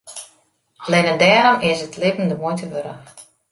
Allinne dêrom is it libben de muoite wurdich.